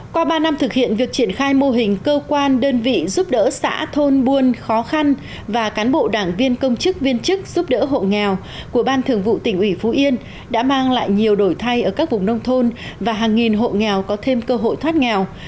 qua ba năm thực hiện việc triển khai mô hình cơ quan đơn vị giúp đỡ xã thôn buôn khó khăn và cán bộ đảng viên công chức viên chức giúp đỡ hộ nghèo của ban thường vụ tỉnh ủy phú yên đã mang lại nhiều đổi thay ở các vùng nông thôn và hàng nghìn hộ nghèo có thêm cơ hội thoát nghèo